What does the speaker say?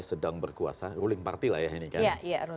sedang berkuasa ruling party lah ya